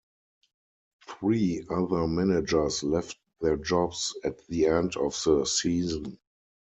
Three other managers left their jobs at the end of the season.